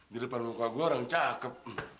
di depan muka gue orang cakep